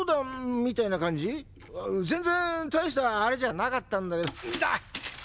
全然大したアレじゃなかったんだけどっだ！